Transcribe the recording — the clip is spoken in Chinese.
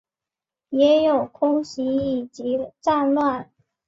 也有空袭以及战乱